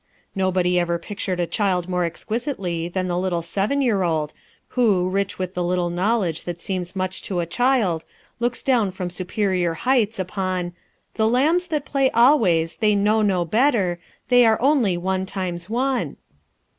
Nobody ever pictured a child more exquisitely than the little seven year old, who, rich with the little knowledge that seems much to a child, looks down from superior heights upon "The lambs that play always, they know no better; They are only one times one."